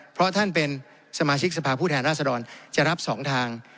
เพราะท่านเป็นสมาชิกสภาพผู้แทนราษฎรจะรับ๒ทาง